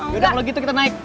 yaudah kalo gitu kita naik